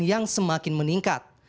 yang semakin meningkat